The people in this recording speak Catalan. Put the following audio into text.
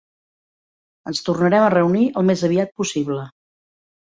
Ens tornarem a reunir al més aviat possible.